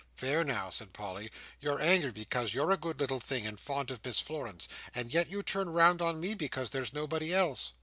"There now," said Polly, "you're angry because you're a good little thing, and fond of Miss Florence; and yet you turn round on me, because there's nobody else."